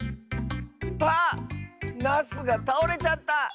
あっナスがたおれちゃった！